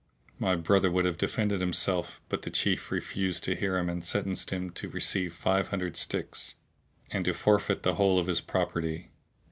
My brother would have defended himself, but the Chief refused to hear him and sentenced him to receive five hundred sticks and to forfeit the whole of his property.